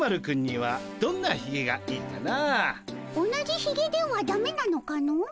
同じひげではダメなのかの？